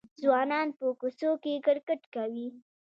ځوانان په کوڅو کې کرکټ کوي.